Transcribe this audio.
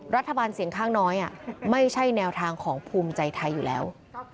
รัฐบาลเสียงข้างน้อยไม่ใช่แนวทางของภูมิใจไทยอยู่แล้ว